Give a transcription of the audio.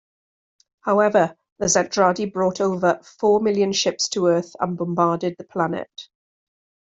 However the Zentradi bought over four million ships to Earth and bombarded the planet.